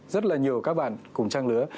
rất nhiều các bạn cùng trang lứa